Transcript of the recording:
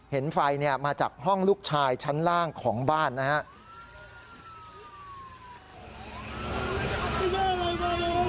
เห็นไฟเนี่ยมาจากห้องลูกชายชั้นล่างของบ้านนะครับ